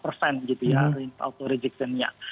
rangenya auto rejection nya